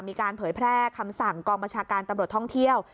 เผยแพร่คำสั่งกองบัญชาการตำรวจท่องเที่ยว